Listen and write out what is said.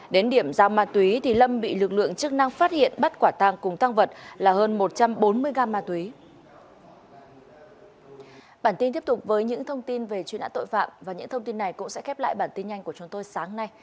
đến điểm giao ma túy thì lâm bị lực lượng chức năng phát hiện bắt quả tàng cùng tăng vật là hơn một trăm bốn mươi g ma túy